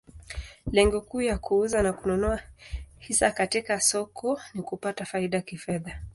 Lengo kuu ya kuuza na kununua hisa katika soko ni kupata faida kifedha.